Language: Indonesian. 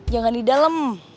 jangan di dalam